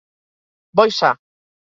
Bo i sa.